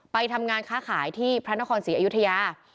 ไปทำงานค้าขายที่พระนครศรีอยุธยา